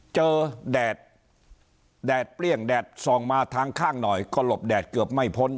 แดดแดดเปรี้ยงแดดส่องมาทางข้างหน่อยก็หลบแดดเกือบไม่พ้น